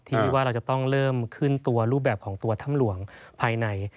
ที่ว่าเราจะต้องเริ่มขึ้นตัวรูปแบบของตัวถ้ำหลวงภายใน